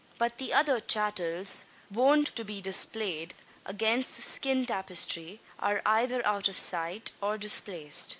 But the other "chattels" wont to be displayed against the skin tapestry are either out of sight, or displaced.